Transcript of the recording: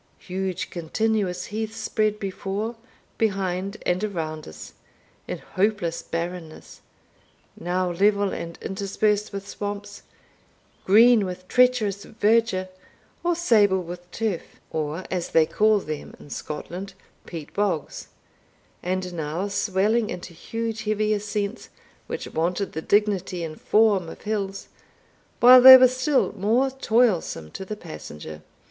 Huge continuous heaths spread before, behind, and around us, in hopeless barrenness now level and interspersed with swamps, green with treacherous verdure, or sable with turf, or, as they call them in Scotland, peat bogs, and now swelling into huge heavy ascents, which wanted the dignity and form of hills, while they were still more toilsome to the passenger.